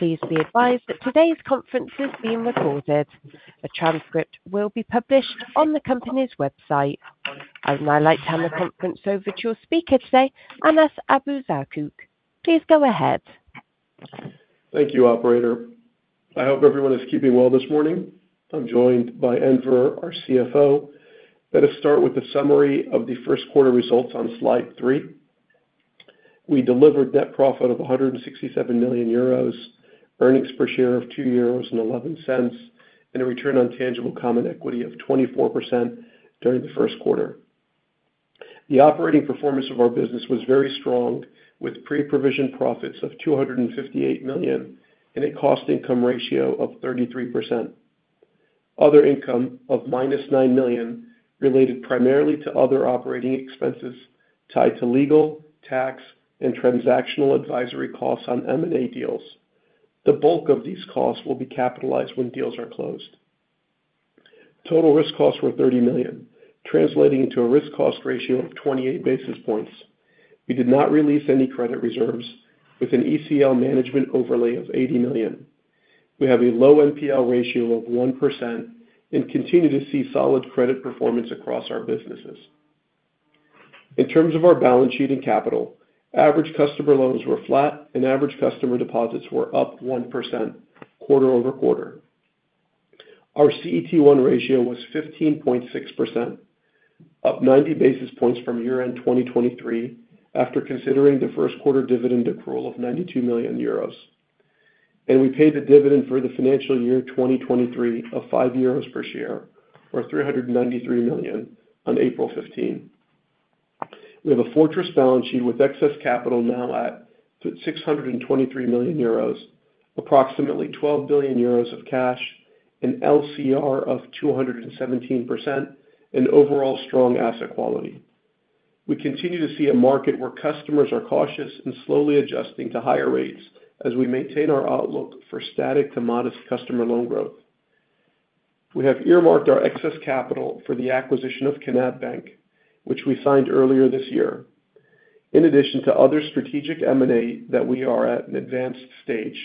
Please be advised that today's conference is being recorded. A transcript will be published on the company's website. I would now like to hand the conference over to your speaker today, Anas Abuzaakouk. Please go ahead. Thank you, operator. I hope everyone is keeping well this morning. I'm joined by Enver, our CFO. Let us start with the summary of the first quarter results on slide three. We delivered net profit of 167 million euros, earnings per share of 2.11 euros, and a return on tangible common equity of 24% during the first quarter. The operating performance of our business was very strong, with pre-provision profits of 258 million and a cost-income ratio of 33%. Other income of 9 million related primarily to other operating expenses tied to legal, tax, and transactional advisory costs on M&A deals. The bulk of these costs will be capitalized when deals are closed. Total risk costs were 30 million, translating into a risk-cost ratio of 28 basis points. We did not release any credit reserves, with an ECL management overlay of 80 million. We have a low NPL ratio of 1% and continue to see solid credit performance across our businesses. In terms of our balance sheet and capital, average customer loans were flat, and average customer deposits were up 1% quarter-over-quarter. Our CET1 ratio was 15.6%, up 90 basis points from year-end 2023 after considering the first quarter dividend accrual of 92 million euros. We paid the dividend for the financial year 2023 of 5 euros per share, or 393 million, on April 15. We have a fortress balance sheet with excess capital now at 623 million euros, approximately 12 billion euros of cash, an LCR of 217%, and overall strong asset quality. We continue to see a market where customers are cautious and slowly adjusting to higher rates as we maintain our outlook for static to modest customer loan growth. We have earmarked our excess capital for the acquisition of Knab, which we signed earlier this year. In addition to other strategic M&A that we are at an advanced stage,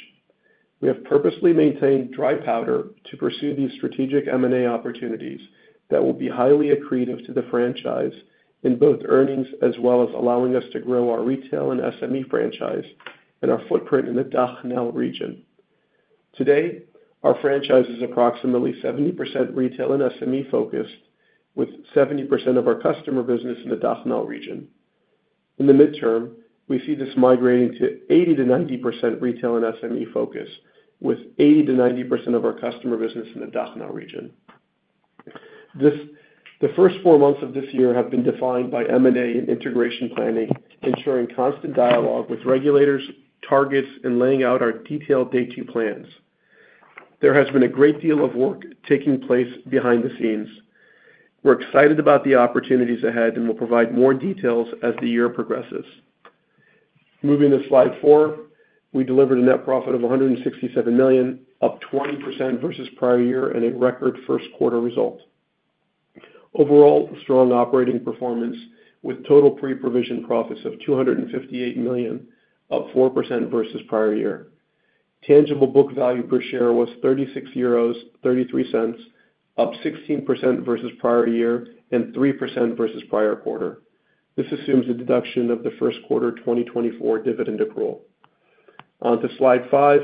we have purposely maintained dry powder to pursue these strategic M&A opportunities that will be highly accretive to the franchise in both earnings as well as allowing us to grow our retail and SME franchise and our footprint in the DACH-NL region. Today, our franchise is approximately 70% retail and SME focused, with 70% of our customer business in the DACH-NL region. In the midterm, we see this migrating to 80%-90% retail and SME focus, with 80%-90% of our customer business in the DACH-NL region. The first four months of this year have been defined by M&A and integration planning, ensuring constant dialogue with regulators, targets, and laying out our detailed day-to-day plans. There has been a great deal of work taking place behind the scenes. We're excited about the opportunities ahead, and we'll provide more details as the year progresses. Moving to slide four, we delivered a net profit of 167 million, up 20% versus prior year, and a record first quarter result. Overall strong operating performance, with total pre-provision profits of 258 million, up 4% versus prior year. Tangible book value per share was 36.33 euros, up 16% versus prior year and 3% versus prior quarter. This assumes the deduction of the first quarter 2024 dividend accrual. Onto slide five.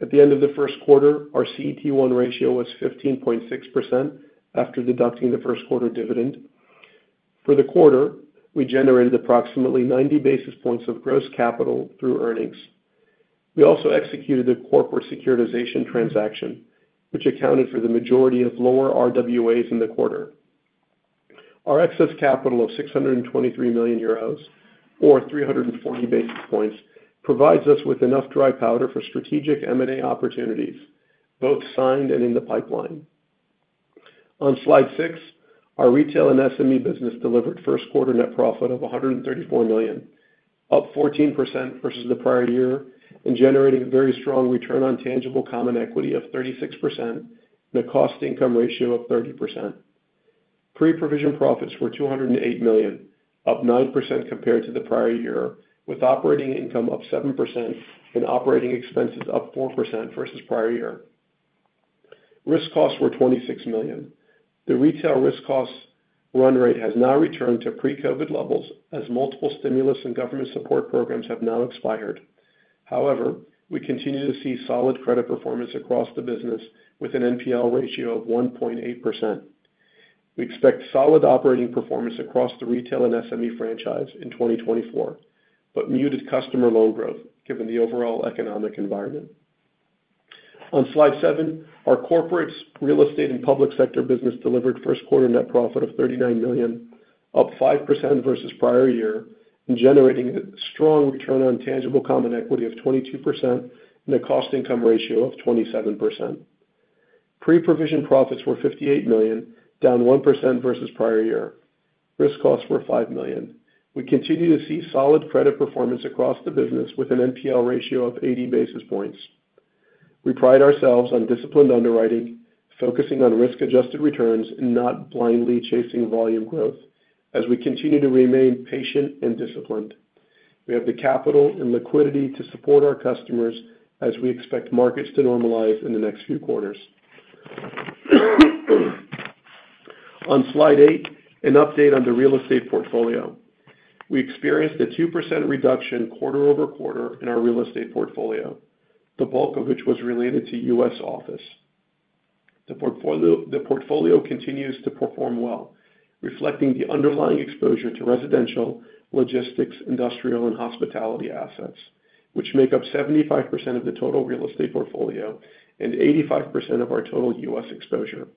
At the end of the first quarter, our CET1 ratio was 15.6% after deducting the first quarter dividend. For the quarter, we generated approximately 90 basis points of gross capital through earnings. We also executed a corporate securitization transaction, which accounted for the majority of lower RWAs in the quarter. Our excess capital of 623 million euros, or 340 basis points, provides us with enough dry powder for strategic M&A opportunities, both signed and in the pipeline. On slide six, our retail and SME business delivered first quarter net profit of 134 million, up 14% versus the prior year, and generating a very strong return on tangible common equity of 36% and a cost-income ratio of 30%. Pre-provision profits were 208 million, up 9% compared to the prior year, with operating income up 7% and operating expenses up 4% versus prior year. Risk costs were 26 million. The retail risk costs run rate has now returned to pre-COVID levels as multiple stimulus and government support programs have now expired. However, we continue to see solid credit performance across the business with an NPL ratio of 1.8%. We expect solid operating performance across the retail and SME franchise in 2024, but muted customer loan growth given the overall economic environment. On slide seven, our corporate, real estate, and public sector business delivered first quarter net profit of 39 million, up 5% versus prior year, and generating a strong return on tangible common equity of 22% and a cost-income ratio of 27%. Pre-provision profits were 58 million, down 1% versus prior year. Risk costs were 5 million. We continue to see solid credit performance across the business with an NPL ratio of 80 basis points. We pride ourselves on disciplined underwriting, focusing on risk-adjusted returns and not blindly chasing volume growth, as we continue to remain patient and disciplined. We have the capital and liquidity to support our customers as we expect markets to normalize in the next few quarters. On slide eight, an update on the real estate portfolio. We experienced a 2% reduction quarter-over-quarter in our real estate portfolio, the bulk of which was related to U.S. office. The portfolio continues to perform well, reflecting the underlying exposure to residential, logistics, industrial, and hospitality assets, which make up 75% of the total real estate portfolio and 85% of our total U.S. exposure.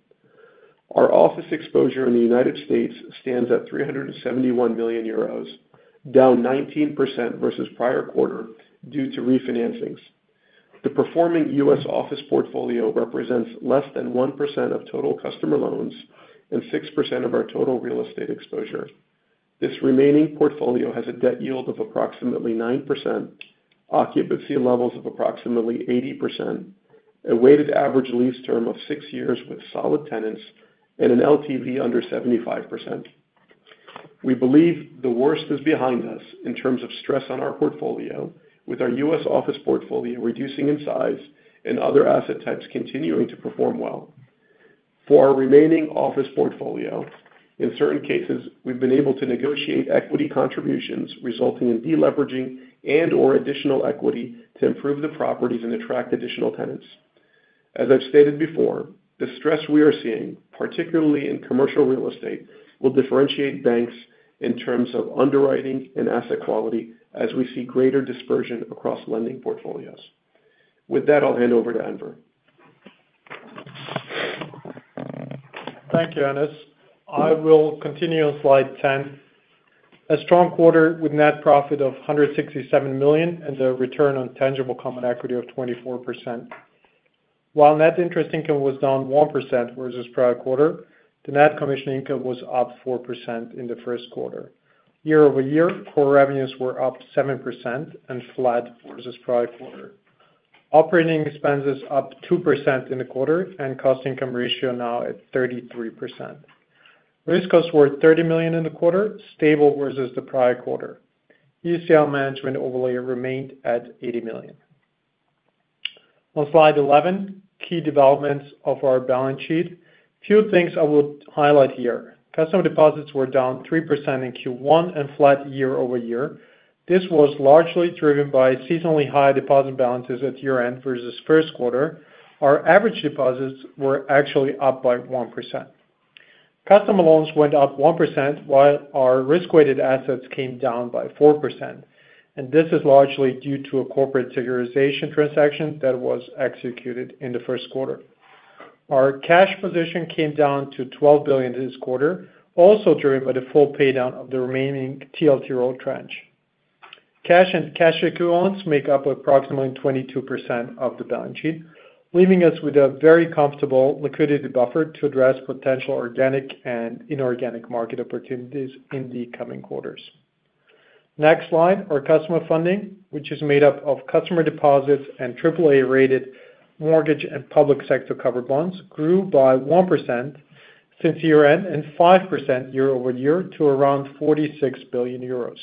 Our office exposure in the United States stands at 371 million euros, down 19% versus prior quarter due to refinancings. The performing U.S. office portfolio represents less than 1% of total customer loans and 6% of our total real estate exposure. This remaining portfolio has a debt yield of approximately 9%, occupancy levels of approximately 80%, a weighted average lease term of six years with solid tenants, and an LTV under 75%. We believe the worst is behind us in terms of stress on our portfolio, with our U.S. office portfolio reducing in size and other asset types continuing to perform well. For our remaining office portfolio, in certain cases, we've been able to negotiate equity contributions resulting in deleveraging and/or additional equity to improve the properties and attract additional tenants. As I've stated before, the stress we are seeing, particularly in commercial real estate, will differentiate banks in terms of underwriting and asset quality as we see greater dispersion across lending portfolios. With that, I'll hand over to Enver. Thank you, Anas. I will continue on slide 10. A strong quarter with net profit of 167 million and a return on tangible common equity of 24%. While net interest income was down 1% versus prior quarter, the net commission income was up 4% in the first quarter. Year-over-year, core revenues were up 7% and flat versus prior quarter. Operating expenses up 2% in the quarter and cost-income ratio now at 33%. Risk costs were 30 million in the quarter, stable versus the prior quarter. ECL management overlay remained at 80 million. On slide 11, key developments of our balance sheet. Few things I will highlight here. Customer deposits were down 3% in Q1 and flat year-over-year. This was largely driven by seasonally high deposit balances at year-end versus first quarter. Our average deposits were actually up by 1%. Customer loans went up 1% while our risk-weighted assets came down by 4%, and this is largely due to a corporate securitization transaction that was executed in the first quarter. Our cash position came down to 12 billion this quarter, also driven by the full paydown of the remaining TLTRO tranche. Cash and cash equivalents make up approximately 22% of the balance sheet, leaving us with a very comfortable liquidity buffer to address potential organic and inorganic market opportunities in the coming quarters. Next slide. Our customer funding, which is made up of customer deposits and AAA-rated mortgage and public sector covered bonds, grew by 1% since year-end and 5% year-over-year to around 46 billion euros.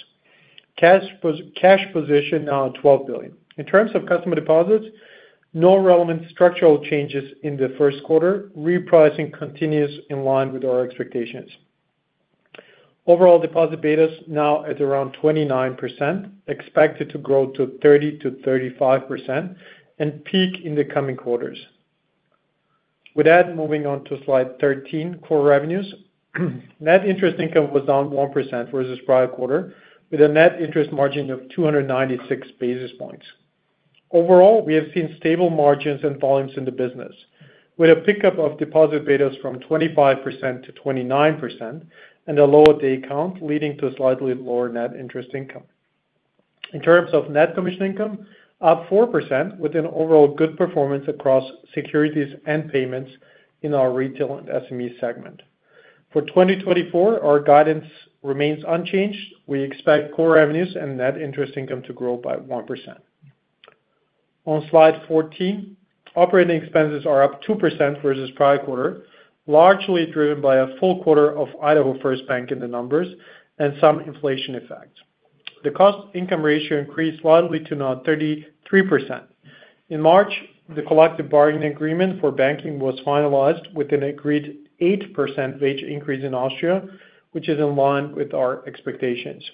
Cash position now at 12 billion. In terms of customer deposits, no relevant structural changes in the first quarter. Repricing continues in line with our expectations. Overall deposit beta is now at around 29%, expected to grow to 30%-35%, and peak in the coming quarters. With that, moving on to slide 13, core revenues. Net interest income was down 1% versus prior quarter, with a net interest margin of 296 basis points. Overall, we have seen stable margins and volumes in the business, with a pickup of deposit betas from 25%-29% and a lower day count leading to slightly lower net interest income. In terms of net commission income, up 4% with an overall good performance across securities and payments in our retail and SME segment. For 2024, our guidance remains unchanged. We expect core revenues and net interest income to grow by 1%. On slide 14, operating expenses are up 2% versus prior quarter, largely driven by a full quarter of Idaho First Bank in the numbers and some inflation effect. The cost-income ratio increased slightly to now 33%. In March, the collective bargaining agreement for banking was finalized with an agreed 8% wage increase in Austria, which is in line with our expectations.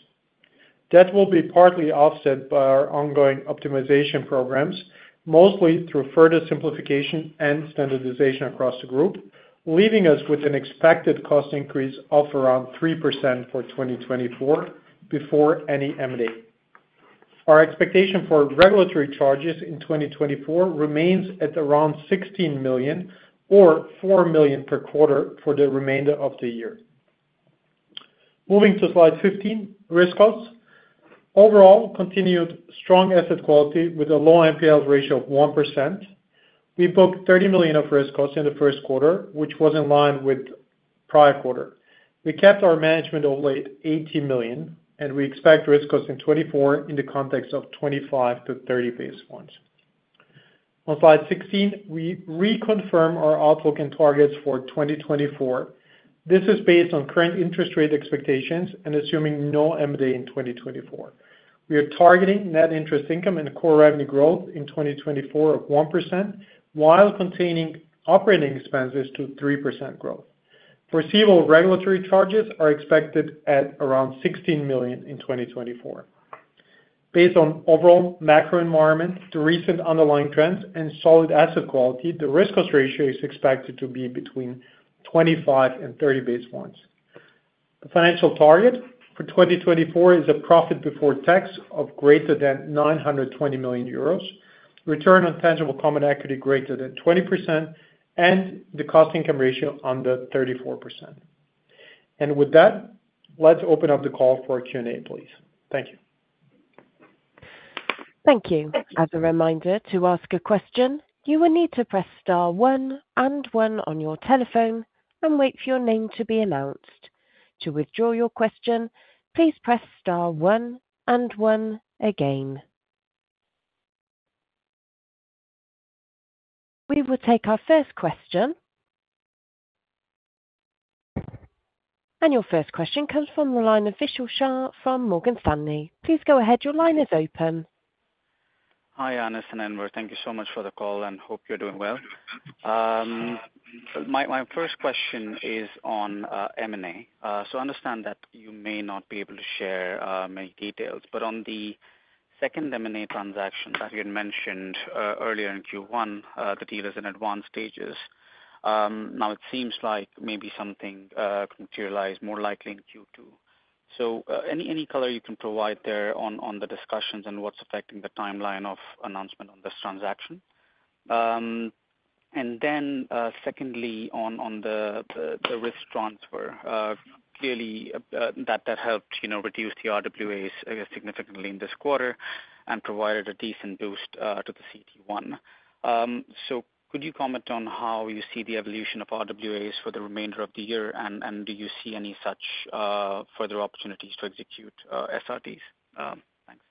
Debt will be partly offset by our ongoing optimization programs, mostly through further simplification and standardization across the group, leaving us with an expected cost increase of around 3% for 2024 before any M&A. Our expectation for regulatory charges in 2024 remains at around 16 million, or 4 million per quarter for the remainder of the year. Moving to slide 15, risk costs. Overall, continued strong asset quality with a low NPL ratio of 1%. We booked 30 million of risk costs in the first quarter, which was in line with prior quarter. We kept our management overlay at 80 million, and we expect risk costs in 2024 in the context of 25%-30% basis points. On slide 16, we reconfirm our outlook and targets for 2024. This is based on current interest rate expectations and assuming no M&A in 2024. We are targeting net interest income and core revenue growth in 2024 of 1% while containing operating expenses to 3% growth. Foreseeable regulatory charges are expected at around 16 million in 2024. Based on overall macro environment, the recent underlying trends, and solid asset quality, the risk cost ratio is expected to be between 25 and 30 basis points. The financial target for 2024 is a profit before tax of greater than 920 million euros, return on tangible common equity greater than 20%, and the cost-income ratio under 34%. With that, let's open up the call for a Q&A, please. Thank you. Thank you. As a reminder, to ask a question, you will need to press star 1 and 1 on your telephone and wait for your name to be announced. To withdraw your question, please press star one and one again. We will take our first question. Your first question comes from the line of Vishal Shah from Morgan Stanley. Please go ahead. Your line is open. Hi, Anas and Enver. Thank you so much for the call, and hope you're doing well. My first question is on M&A. So I understand that you may not be able to share many details, but on the second M&A transaction that you had mentioned earlier in Q1, the deal is in advanced stages. Now, it seems like maybe something could materialize more likely in Q2. So any color you can provide there on the discussions and what's affecting the timeline of announcement on this transaction. And then secondly, on the risk transfer, clearly that helped reduce the RWAs significantly in this quarter and provided a decent boost to the CET1. So could you comment on how you see the evolution of RWAs for the remainder of the year, and do you see any such further opportunities to execute SRTs? Thanks.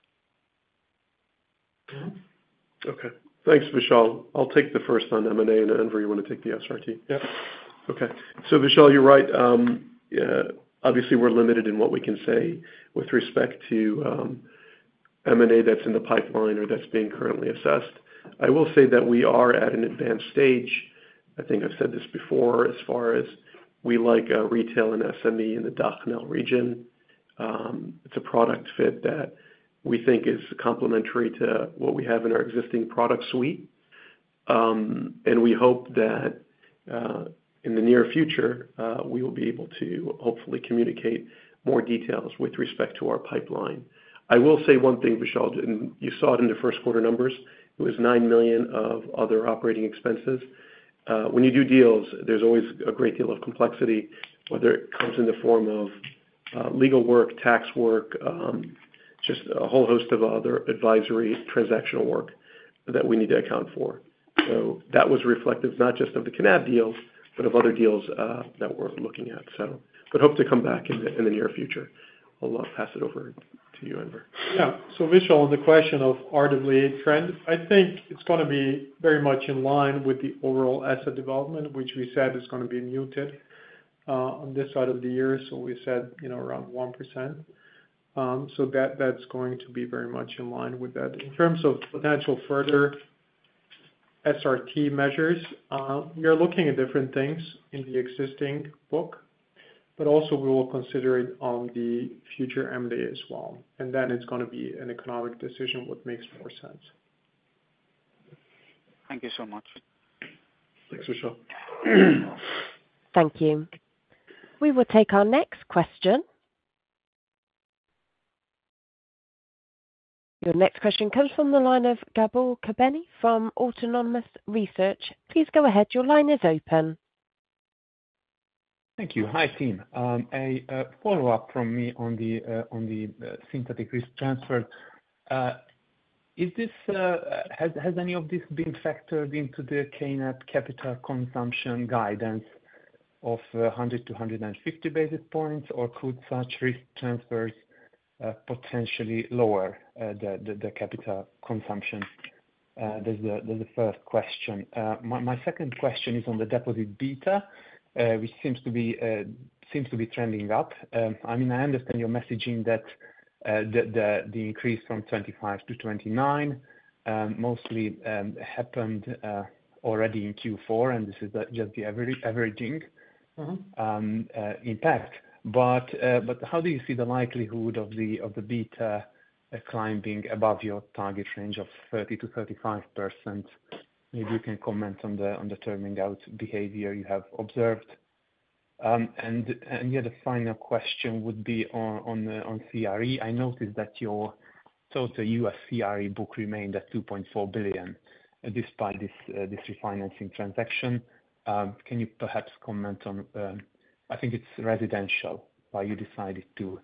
Okay. Thanks, Vishal. I'll take the first on M&A, and Enver, you want to take the SRT? Yep. Okay. So Vishal, you're right. Obviously, we're limited in what we can say with respect to M&A that's in the pipeline or that's being currently assessed. I will say that we are at an advanced stage. I think I've said this before as far as we like retail and SME in the DACH/NL region. It's a product fit that we think is complementary to what we have in our existing product suite. And we hope that in the near future, we will be able to hopefully communicate more details with respect to our pipeline. I will say one thing, Vishal, and you saw it in the first quarter numbers. It was 9 million of other operating expenses. When you do deals, there's always a great deal of complexity, whether it comes in the form of legal work, tax work, just a whole host of other advisory transactional work that we need to account for. So that was reflective not just of the Knab deals, but of other deals that we're looking at, so. But hope to come back in the near future. I'll pass it over to you, Enver. Yeah. So Vishal, on the question of RWA trend, I think it's going to be very much in line with the overall asset development, which we said is going to be muted on this side of the year. So we said around 1%. So that's going to be very much in line with that. In terms of potential further SRT measures, we are looking at different things in the existing book, but also we will consider it on the future M&A as well. And then it's going to be an economic decision, what makes more sense. Thank you so much. Thanks, Vishal. Thank you. We will take our next question. Your next question comes from the line of Gabor Kemeny from Autonomous Research. Please go ahead. Your line is open. Thank you. Hi, team. A follow-up from me on the synthetic risk transfer. Has any of this been factored into the Knab capital consumption guidance of 100-150 basis points, or could such risk transfers potentially lower the capital consumption? That's the first question. My second question is on the deposit beta, which seems to be trending up. I mean, I understand you're messaging that the increase from 25 to 29 mostly happened already in Q4, and this is just the averaging impact. But how do you see the likelihood of the beta climbing above your target range of 30%-35%? Maybe you can comment on the turning out behavior you have observed. And yeah, the final question would be on CRE. I noticed that your total U.S. CRE book remained at $2.4 billion despite this refinancing transaction. Can you perhaps comment on, I think it's residential, why you decided to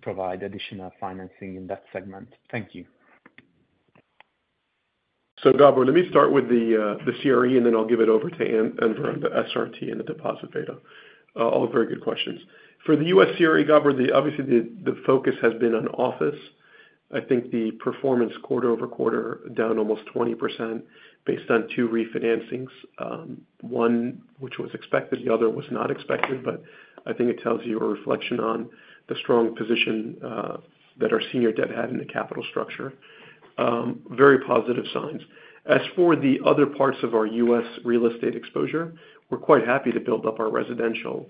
provide additional financing in that segment? Thank you. So Gabor, let me start with the CRE, and then I'll give it over to Enver on the SRT and the deposit beta. All very good questions. For the U.S. CRE, Gabor, obviously, the focus has been on office. I think the performance quarter-over-quarter down almost 20% based on two refinancings, one which was expected, the other was not expected. But I think it tells you a reflection on the strong position that our senior debt had in the capital structure. Very positive signs. As for the other parts of our U.S. real estate exposure, we're quite happy to build up our residential.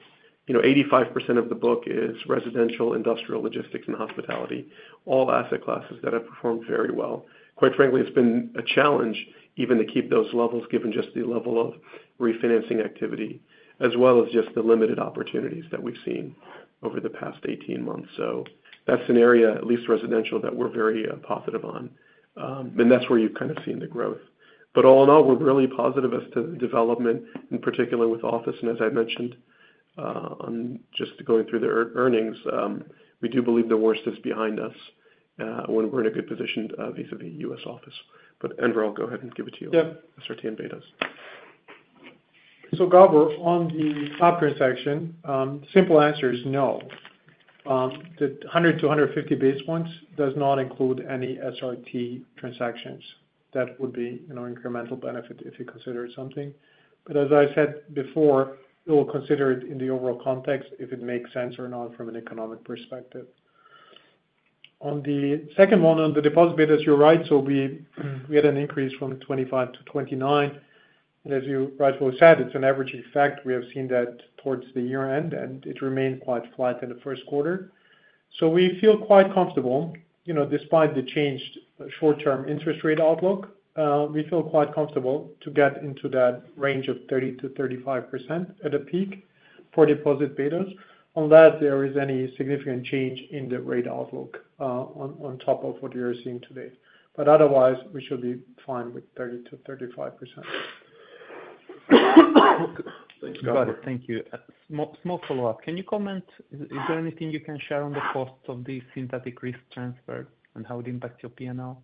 85% of the book is residential, industrial, logistics, and hospitality, all asset classes that have performed very well. Quite frankly, it's been a challenge even to keep those levels given just the level of refinancing activity as well as just the limited opportunities that we've seen over the past 18 months. So that's an area, at least residential, that we're very positive on. And that's where you've kind of seen the growth. But all in all, we're really positive as to the development, in particular with office. And as I mentioned on just going through the earnings, we do believe the worst is behind us when we're in a good position vis-à-vis U.S. office. But Enver, I'll go ahead and give it to you, SRT and betas. So Gabor, on the top transaction, simple answer is no. The 100-150 basis points does not include any SRT transactions. That would be an incremental benefit if you considered something. But as I said before, you will consider it in the overall context if it makes sense or not from an economic perspective. On the second one, on the deposit betas, you're right. So we had an increase from 25-29. And as you rightfully said, it's an averaging effect. We have seen that towards the year-end, and it remained quite flat in the first quarter. So we feel quite comfortable despite the changed short-term interest rate outlook. We feel quite comfortable to get into that range of 30%-35% at a peak for deposit betas unless there is any significant change in the rate outlook on top of what you're seeing today. But otherwise, we should be fine with 30%-35%. Thanks, Gabor. Thank you. Small follow-up. Can you comment? Is there anything you can share on the costs of these synthetic risk transfers and how it impacts your P&L?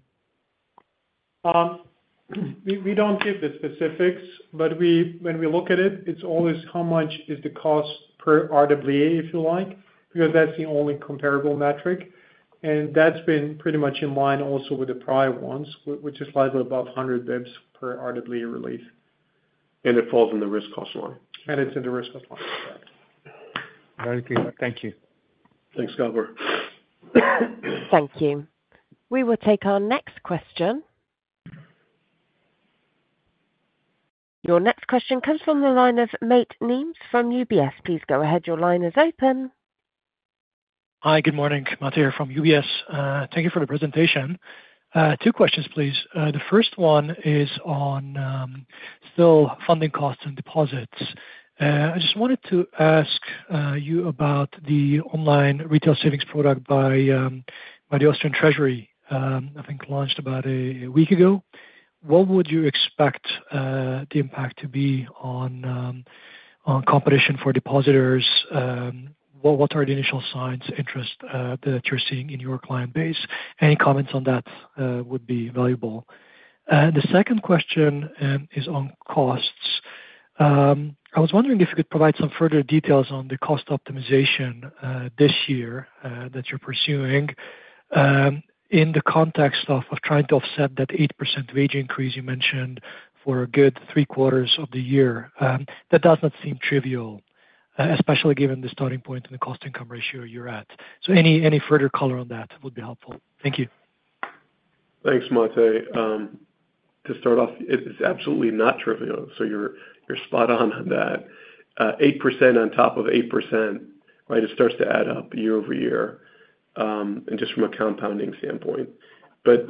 We don't give the specifics, but when we look at it, it's always how much is the cost per RWA, if you like, because that's the only comparable metric. And that's been pretty much in line also with the prior ones, which is slightly above 100 bps per RWA release. It falls in the risk cost line. It's in the risk cost line. Very clear. Thank you. Thanks, Gabor. Thank you. We will take our next question. Your next question comes from the line of Matteo Orber from UBS. Please go ahead. Your line is open. Hi. Good morning, Matteo from UBS. Thank you for the presentation. Two questions, please. The first one is on still funding costs and deposits. I just wanted to ask you about the online retail savings product by the Austrian Treasury, I think, launched about a week ago. What would you expect the impact to be on competition for depositors? What are the initial signs, interest that you're seeing in your client base? Any comments on that would be valuable. The second question is on costs. I was wondering if you could provide some further details on the cost optimization this year that you're pursuing in the context of trying to offset that 8% wage increase you mentioned for a good three-quarters of the year. That does not seem trivial, especially given the starting point and the cost-income ratio you're at. So any further color on that would be helpful. Thank you. Thanks, Matteo. To start off, it's absolutely not trivial. So you're spot on on that. 8% on top of 8%, right, it starts to add up year-over-year and just from a compounding standpoint. But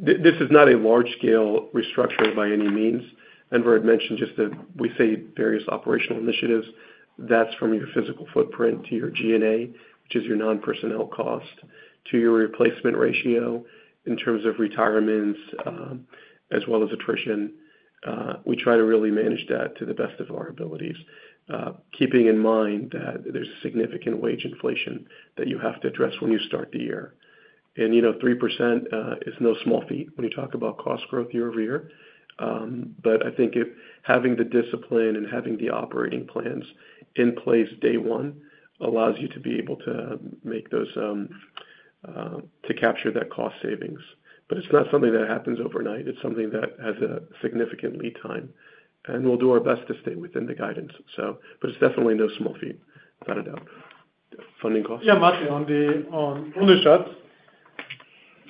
this is not a large-scale restructure by any means. Enver had mentioned just that we say various operational initiatives. That's from your physical footprint to your G&A, which is your non-personnel cost, to your replacement ratio in terms of retirements as well as attrition. We try to really manage that to the best of our abilities, keeping in mind that there's significant wage inflation that you have to address when you start the year. And 3% is no small feat when you talk about cost growth year-over-year. But I think having the discipline and having the operating plans in place day one allows you to be able to capture that cost savings. But it's not something that happens overnight. It's something that has a significant lead time. And we'll do our best to stay within the guidance, so. But it's definitely no small feat, without a doubt. Funding costs. Yeah, Matteo, on the Bundesschatz.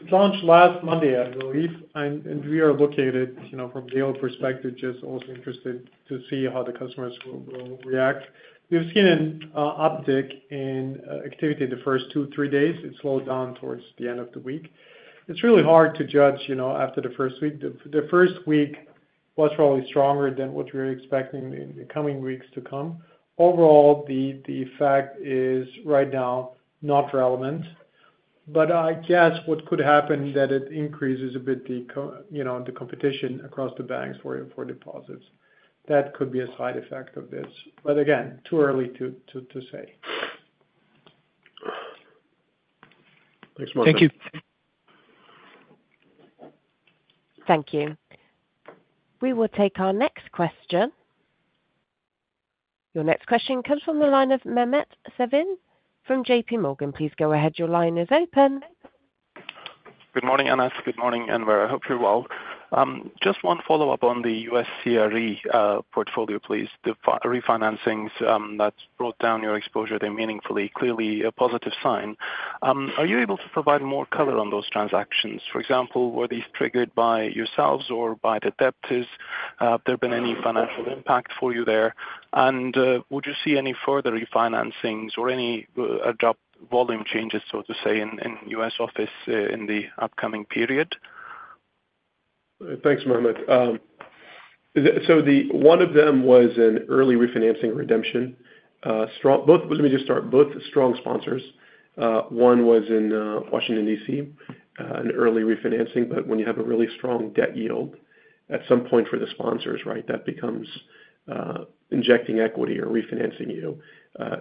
It launched last Monday, I believe. And we are looking, from our perspective, just as interested to see how the customers will react. We've seen an uptick in activity the first two, three days. It slowed down towards the end of the week. It's really hard to judge after the first week. The first week was probably stronger than what we were expecting in the coming weeks to come. Overall, the fact is right now not relevant. But I guess what could happen is that it increases a bit the competition across the banks for deposits. That could be a side effect of this. But again, too early to say. Thanks, Matteo. Thank you. Thank you. We will take our next question. Your next question comes from the line of Mehmet Sevim from JPMorgan. Please go ahead. Your line is open. Good morning, Anas. Good morning, Enver. I hope you're well. Just one follow-up on the U.S. CRE portfolio, please. The refinancings that brought down your exposure, they're meaningfully clearly a positive sign. Are you able to provide more color on those transactions? For example, were these triggered by yourselves or by the debtors? There been any financial impact for you there? And would you see any further refinancings or any abrupt volume changes, so to say, in U.S. office in the upcoming period? Thanks, Mehmet. So one of them was an early refinancing redemption. Let me just start. Both strong sponsors. One was in Washington, D.C., an early refinancing. But when you have a really strong debt yield at some point for the sponsors, right, that becomes injecting equity or refinancing you.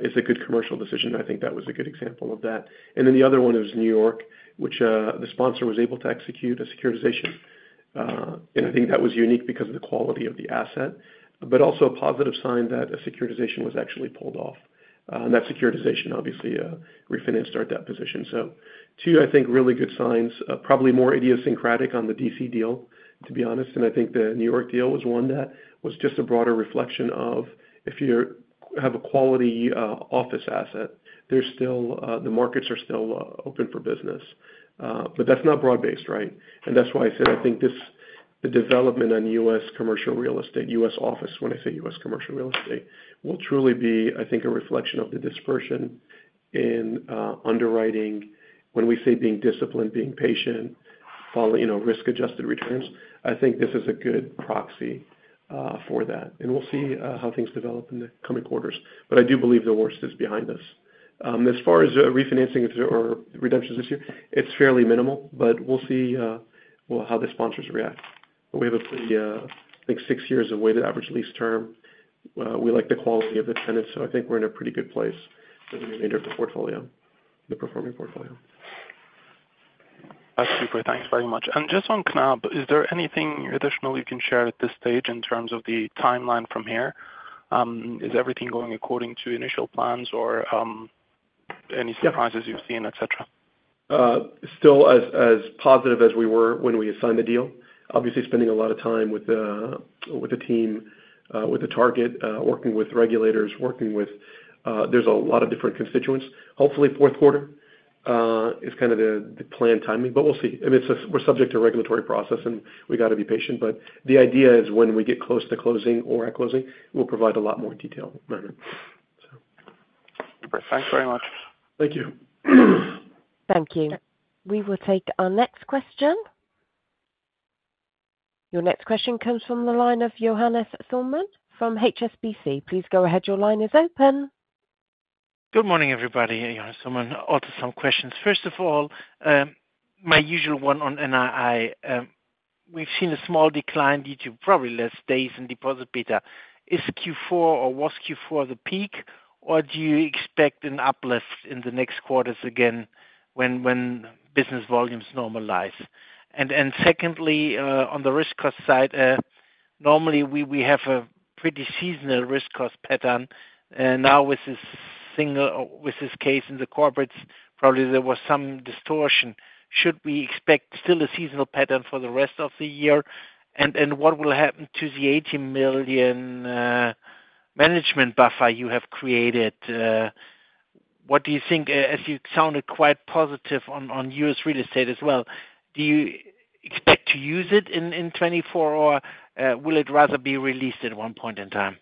It's a good commercial decision. I think that was a good example of that. And then the other one was New York, which the sponsor was able to execute a securitization. And I think that was unique because of the quality of the asset, but also a positive sign that a securitization was actually pulled off. And that securitization, obviously, refinanced our debt position. So two, I think, really good signs. Probably more idiosyncratic on the D.C. deal, to be honest. And I think the New York deal was one that was just a broader reflection of if you have a quality office asset, the markets are still open for business. But that's not broad-based, right? And that's why I said I think the development on U.S. commercial real estate, U.S. office when I say U.S. commercial real estate, will truly be, I think, a reflection of the dispersion in underwriting. When we say being disciplined, being patient, risk-adjusted returns, I think this is a good proxy for that. And we'll see how things develop in the coming quarters. But I do believe the worst is behind us. As far as refinancing or redemptions this year, it's fairly minimal. But we'll see how the sponsors react. But we have a pretty, I think, six years of weighted average lease term. We like the quality of the tenants. I think we're in a pretty good place for the remainder of the portfolio, the performing portfolio. That's super. Thanks very much. Just on Knab, is there anything additional you can share at this stage in terms of the timeline from here? Is everything going according to initial plans or any surprises you've seen, etc.? Still as positive as we were when we signed the deal. Obviously, spending a lot of time with the team, with the target, working with regulators, working with, there's a lot of different constituents. Hopefully, fourth quarter is kind of the planned timing. But we'll see. I mean, we're subject to regulatory process, and we got to be patient. But the idea is when we get close to closing or at closing, we'll provide a lot more detail, Mehmet, so. Super. Thanks very much. Thank you. Thank you. We will take our next question. Your next question comes from the line of Johannes Thormann from HSBC. Please go ahead. Your line is open. Good morning, everybody. Johannes Thormann, I'll do some questions. First of all, my usual one on NII, we've seen a small decline due to probably less days in deposit beta. Is Q4 or was Q4 the peak, or do you expect an uplift in the next quarters again when business volumes normalize? And secondly, on the risk cost side, normally, we have a pretty seasonal risk cost pattern. Now, with this case in the corporates, probably there was some distortion. Should we expect still a seasonal pattern for the rest of the year? And what will happen to the 80 million management buffer you have created? What do you think as you sounded quite positive on U.S. real estate as well, do you expect to use it in 2024, or will it rather be released at one point in time?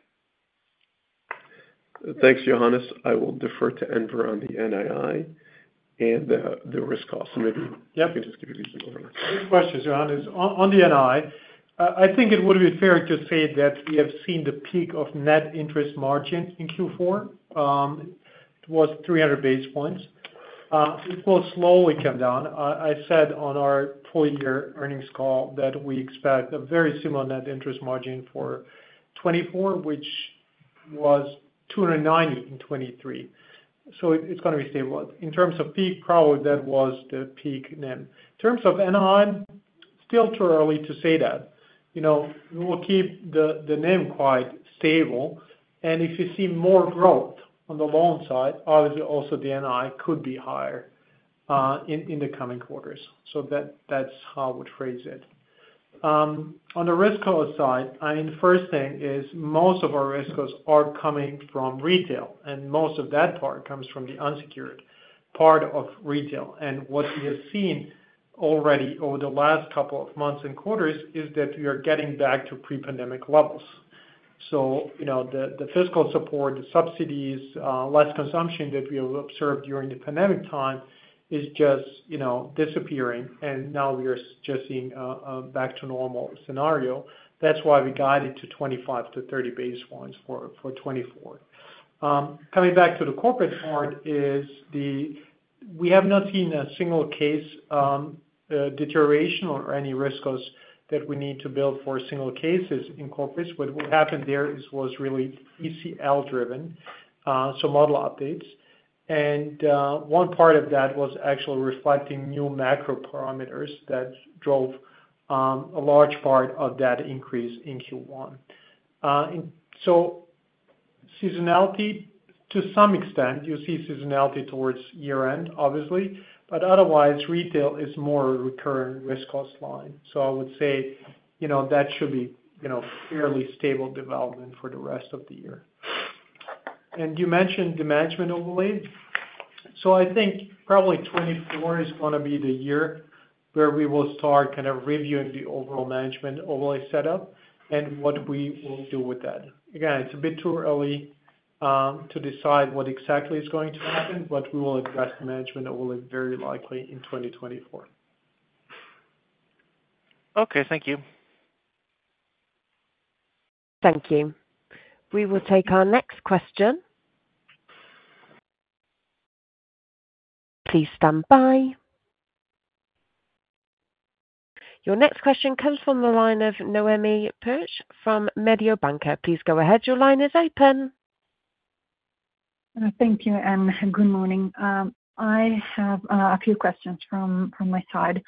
Thanks, Johannes. I will defer to Enver on the NII and the risk cost. Maybe I can just give you some overlap. Good questions, Johannes. On the NII, I think it would be fair to say that we have seen the peak of net interest margin in Q4. It was 300 basis points. It will slowly come down. I said on our full-year earnings call that we expect a very similar net interest margin for 2024, which was 290 in 2023. So it's going to be stable. In terms of peak, probably that was the peak NIM. In terms of NII, still too early to say that. We will keep the NIM quite stable. And if you see more growth on the loan side, obviously, also the NII could be higher in the coming quarters. So that's how I would phrase it. On the risk cost side, I mean, first thing is most of our risk costs are coming from retail. Most of that part comes from the unsecured part of retail. What we have seen already over the last couple of months and quarters is that we are getting back to pre-pandemic levels. The fiscal support, the subsidies, less consumption that we have observed during the pandemic time is just disappearing. Now, we are just seeing a back-to-normal scenario. That's why we guided to 25-30 basis points for 2024. Coming back to the corporate part is we have not seen a single case deterioration or any risk costs that we need to build for single cases in corporates. What happened there was really ECL-driven, so model updates. One part of that was actually reflecting new macro parameters that drove a large part of that increase in Q1. Seasonality, to some extent, you'll see seasonality towards year-end, obviously. But otherwise, retail is more a recurrent risk cost line. So I would say that should be fairly stable development for the rest of the year. And you mentioned the management overlay. So I think probably 2024 is going to be the year where we will start kind of reviewing the overall management overlay setup and what we will do with that. Again, it's a bit too early to decide what exactly is going to happen, but we will address the management overlay very likely in 2024. Okay. Thank you. Thank you. We will take our next question. Please stand by. Your next question comes from the line of Noemi Peruch from Mediobanca. Please go ahead. Your line is open. Thank you, Anne. Good morning. I have a few questions from my side.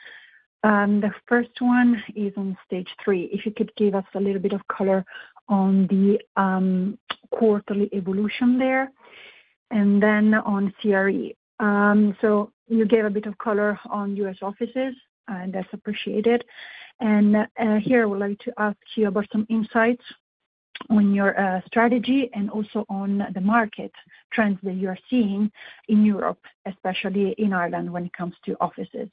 The first one is on stage three, if you could give us a little bit of color on the quarterly evolution there and then on CRE. So you gave a bit of color on U.S. offices, and that's appreciated. And here, I would like to ask you about some insights on your strategy and also on the market trends that you are seeing in Europe, especially in Ireland when it comes to offices.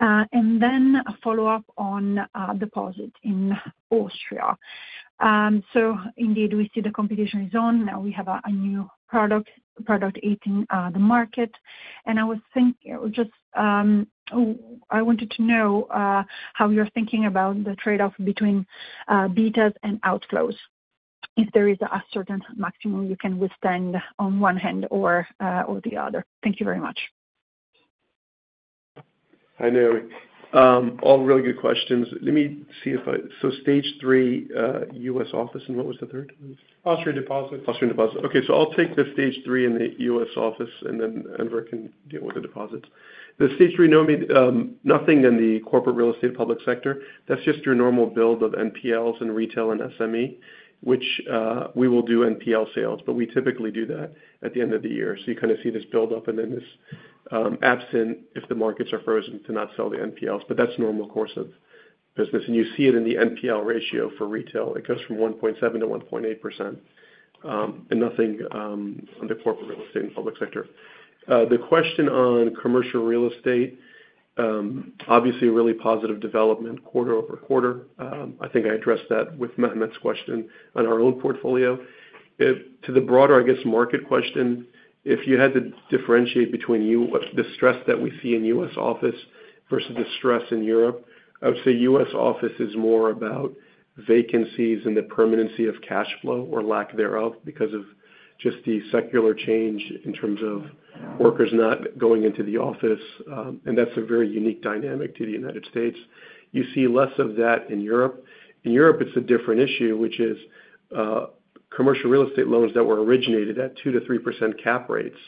And then a follow-up on deposit in Austria. So indeed, we see the competition is on. Now, we have a new product eating the market. And I was thinking just I wanted to know how you're thinking about the trade-off between betas and outflows, if there is a certain maximum you can withstand on one hand or the other. Thank you very much. Hi, Noemi. All really good questions. Let me see, so stage three, U.S. office, and what was the third? Austrian deposits. Austrian deposits. Okay. So I'll take the stage three in the U.S. office, and then Enver can deal with the deposits. The stage three, Noemi, nothing in the corporate real estate public sector. That's just your normal build of NPLs and retail and SME, which we will do NPL sales. But we typically do that at the end of the year. So you kind of see this buildup, and then it's absent if the markets are frozen to not sell the NPLs. But that's normal course of business. And you see it in the NPL ratio for retail. It goes from 1.7%-1.8% and nothing on the corporate real estate and public sector. The question on commercial real estate, obviously, a really positive development quarter-over-quarter. I think I addressed that with Mehmet's question on our own portfolio. To the broader, I guess, market question, if you had to differentiate between the stress that we see in U.S. office versus the stress in Europe, I would say U.S. office is more about vacancies and the permanency of cash flow or lack thereof because of just the secular change in terms of workers not going into the office. And that's a very unique dynamic to the United States. You see less of that in Europe. In Europe, it's a different issue, which is commercial real estate loans that were originated at 2%-3% cap rates.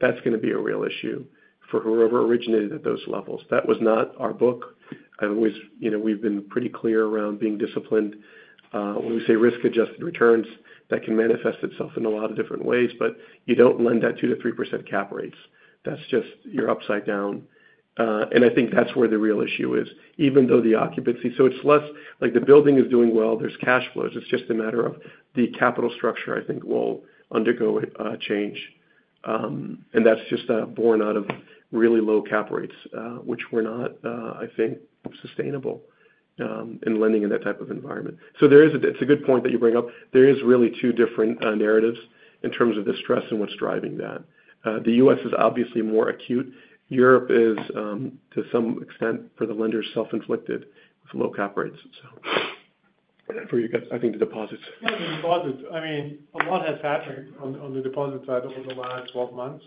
That's going to be a real issue for whoever originated at those levels. That was not our book. We've been pretty clear around being disciplined. When we say risk-adjusted returns, that can manifest itself in a lot of different ways. But you don't lend at 2%-3% cap rates. You're upside down. And I think that's where the real issue is, even though the occupancy so it's less like the building is doing well. There's cash flows. It's just a matter of the capital structure, I think, will undergo a change. And that's just born out of really low cap rates, which were not, I think, sustainable in lending in that type of environment. So it's a good point that you bring up. There is really two different narratives in terms of the stress and what's driving that. The U.S. is obviously more acute. Europe is, to some extent, for the lenders, self-inflicted with low cap rates, so. For you guys, I think, the deposits. Yeah. The deposits. I mean, a lot has happened on the deposit side over the last 12 months.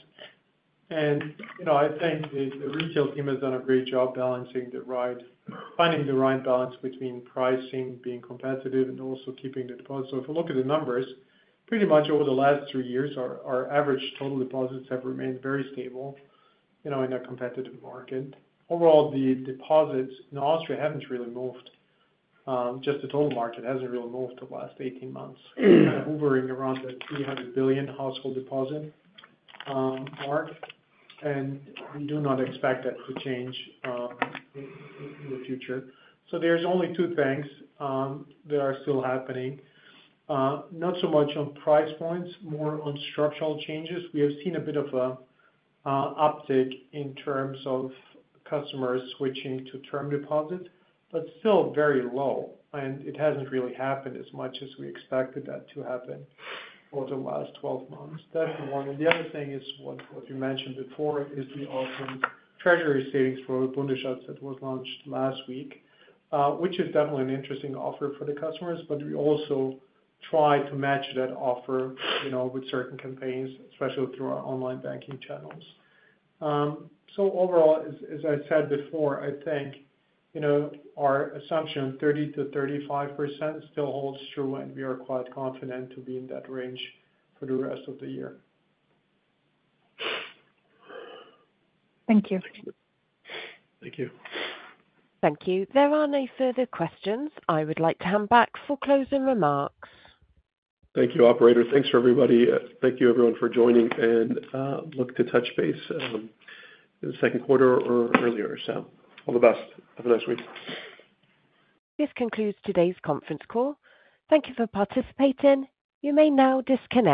I think the retail team has done a great job finding the right balance between pricing, being competitive, and also keeping the deposit. So if we look at the numbers, pretty much over the last three years, our average total deposits have remained very stable in a competitive market. Overall, the deposits in Austria haven't really moved. Just the total market hasn't really moved the last 18 months, kind of hovering around the 300 billion household deposit mark. And we do not expect that to change in the future. So there's only two things that are still happening, not so much on price points, more on structural changes. We have seen a bit of an uptick in terms of customers switching to term deposits, but still very low. It hasn't really happened as much as we expected that to happen over the last 12 months. That's one. The other thing is what you mentioned before, is the Austrian Treasury savings product Bundesschatz that was launched last week, which is definitely an interesting offer for the customers. We also try to match that offer with certain campaigns, especially through our online banking channels. Overall, as I said before, I think our assumption of 30%-35% still holds true. We are quite confident to be in that range for the rest of the year. Thank you. Thank you. Thank you. There are no further questions. I would like to hand back for closing remarks. Thank you, operator. Thanks for everybody. Thank you, everyone, for joining. And look to touch base in the second quarter or earlier, so. All the best. Have a nice week. This concludes today's conference call. Thank you for participating. You may now disconnect.